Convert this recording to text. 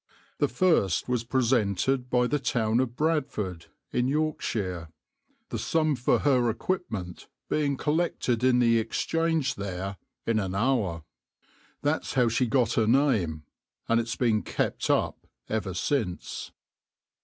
The first was presented by the town of Bradford in Yorkshire, the sum for her equipment being collected in the Exchange there in an hour. That's how she got her name, and it's been kept up ever since.